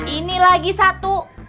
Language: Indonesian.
ini lagi satu